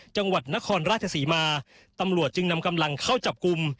จังหวัดนครราชศรีมาตำรวจจึงนำกำลังเข้าจับกลุ่ม